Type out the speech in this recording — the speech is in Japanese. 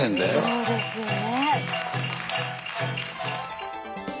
そうですよね。